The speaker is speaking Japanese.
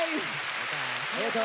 ありがとう。